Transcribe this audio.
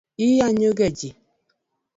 Iyanyoga ji